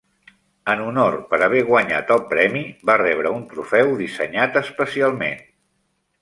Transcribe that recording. En honor per haver guanyat el premi, va rebre un trofeu dissenyat especialment.